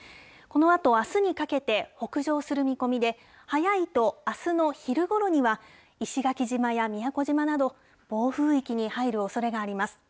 このあと、あすにかけて北上する見込みで、早いとあすの昼ごろには、石垣島や宮古島など、暴風域に入るおそれがあります。